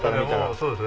そうですね。